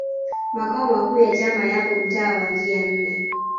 makao makuu ya chama yapo mtaa wa njia nne